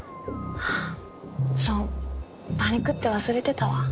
そうパニクって忘れてたわ。